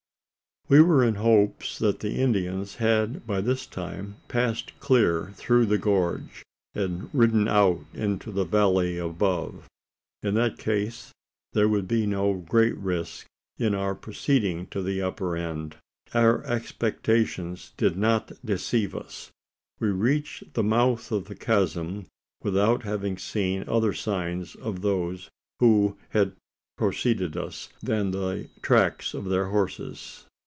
We were in hopes that the Indians had by this time passed clear through the gorge, and ridden out into the valley above. In that case there would be no great risk in our proceeding to the upper end. Our expectations did not deceive us. We reached the mouth of the chasm without having seen other signs of those who had proceeded us, than the tracks of their horses.